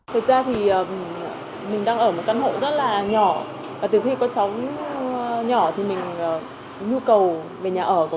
thực ra thì mình đang ở một căn hộ rất là nhỏ và từ khi có cháu nhỏ thì mình nhu cầu về nhà ở